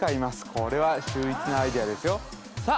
これは秀逸なアイデアですよさあ